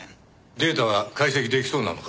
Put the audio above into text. データは解析出来そうなのか？